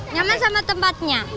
nyaman sama tempatnya